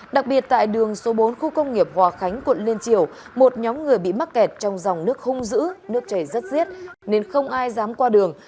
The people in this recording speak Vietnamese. đặc biệt tại đường số bốn khu công nghiệp hòa khánh quận liên triều một nhóm người bị mắc kẹt trong dòng nước hung dữ nước chảy rất riết nên không ai dám qua đường